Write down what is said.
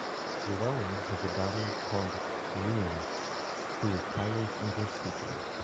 Llewellyn has a daughter called Rhian, who is Tyler's English teacher.